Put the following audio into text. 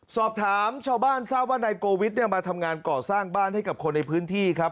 สอบถามชาวบ้านทราบว่านายโกวิทมาทำงานก่อสร้างบ้านให้กับคนในพื้นที่ครับ